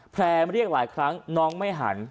แพร่มาเรียกหลายครั้งน้องไม่หัน